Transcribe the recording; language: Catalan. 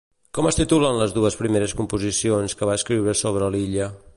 Com es titulen les dues primeres composicions que va escriure sobre l'illa?